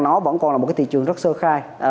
nó vẫn còn là một cái thị trường rất sơ khai